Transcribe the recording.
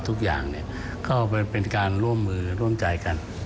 ทุกอย่างก็เป็นการร่วมมือร่วมใจกัน